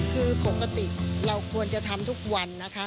คือปกติเราควรจะทำทุกวันนะคะ